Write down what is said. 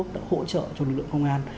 đã hỗ trợ cho lực lượng công an